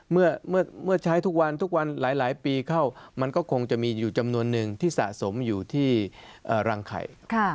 เมื่อใช้ทุกวันทุกวันหลายปีเข้ามันก็คงจะมีอยู่จำนวนนึงที่สะสมอยู่ที่รังไข่